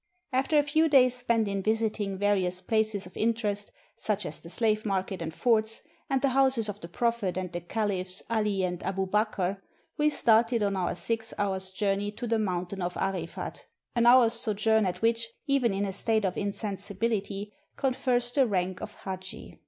After a few days spent in visiting various places of 540 A PILGRIMAGE TO MECCA interest, such as the slave market and forts, and the houses of the Prophet and the Caliphs 'Ali and Abubakr, we started on our six hours' journey to the mountain of 'Arifat, an hour's sojourn at which, even in a state of insensibihty, confers the rank of haji.